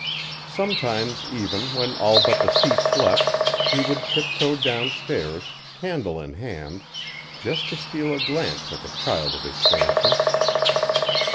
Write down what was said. Sometimes, even, when all but the sea slept, he would tiptoe downstairs, candle in hand, just to steal a glance at the child of his fancy.